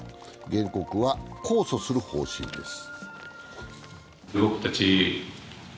原告は控訴する方針です。